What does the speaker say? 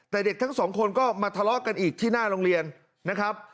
แต่เด็กทั้งสองคนก็มาทะเลาะกันอีกที่หน้าโรงเรียนนะครับ